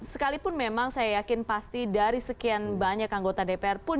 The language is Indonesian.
sekalipun memang saya yakin pasti dari sekian banyak anggota dpr pun